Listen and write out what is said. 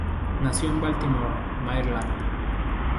Nació en Baltimore, Maryland.